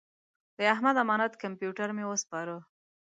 د احمد امانت کمپیوټر مې وسپاره.